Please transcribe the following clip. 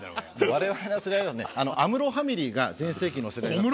我々の世代ではねあの安室ファミリーが全盛期の世代だった。